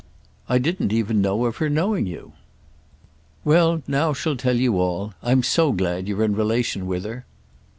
"I didn't even know of her knowing you." "Well, now she'll tell you all. I'm so glad you're in relation with her."